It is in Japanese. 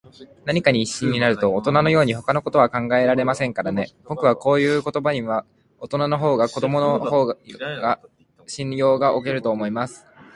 何かに一心になると、おとなのように、ほかのことは考えませんからね。ぼくはこういうばあいには、おとなよりも子どものほうが信用がおけると思います。